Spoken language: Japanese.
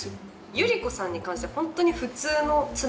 ゆり子さんに関してはホントに普通の妻。